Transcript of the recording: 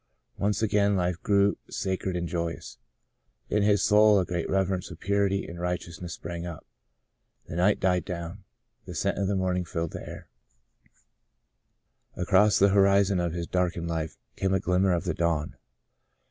Once again life grew sacred and joyous. In his soul a great reverence for purity and right eousness sprang up. The night died down — the scent of morning filled the air. Across 148 The Blossoming Desert the horizon of his darkened life came a glim mer of the dawn.